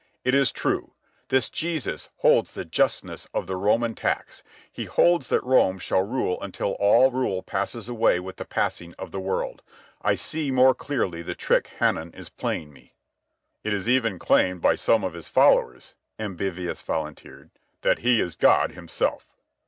"It is true. This Jesus holds the justness of the Roman tax. He holds that Rome shall rule until all rule passes away with the passing of the world. I see more clearly the trick Hanan is playing me." "It is even claimed by some of his followers," Ambivius volunteered, "that he is God Himself."